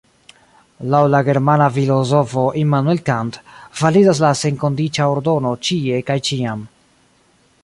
Laŭ la germana filozofo Immanuel Kant validas la senkondiĉa ordono ĉie kaj ĉiam.